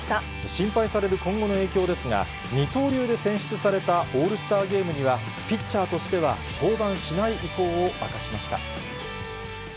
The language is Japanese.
心配される今後の影響ですが、二刀流で選出されたオールスターゲームには、ピッチャーとしては登板しない意向を明かしました。